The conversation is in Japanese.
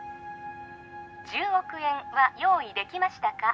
１０億円は用意できましたか？